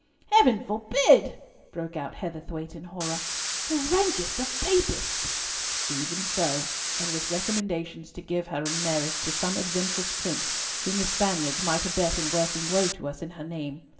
"Heaven forbid!" broke out Heatherthwayte, in horror. "The rankest of Papists—" "Even so, and with recommendations to give her in marriage to some adventurous prince whom the Spaniards might abet in working woe to us in her name.